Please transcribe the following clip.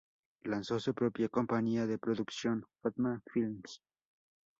Lanzó su propia compañía de producción, Fatma Films.